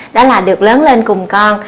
đó là được lớn lên cùng con